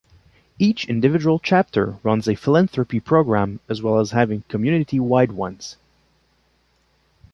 Each individual chapter runs a philanthropy program as well as having community wide ones.